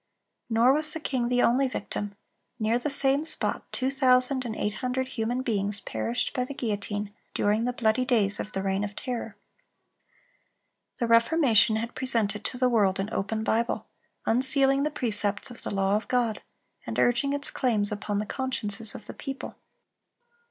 (343) Nor was the king the only victim; near the same spot two thousand and eight hundred human beings perished by the guillotine during the bloody days of the Reign of Terror. The Reformation had presented to the world an open Bible, unsealing the precepts of the law of God, and urging its claims upon the consciences of the people.